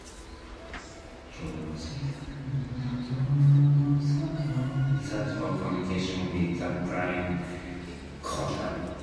Mantis gained additional abilities as a result of communion with the Prime Cotati.